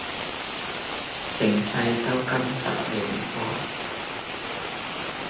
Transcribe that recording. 成世都跟實你唔放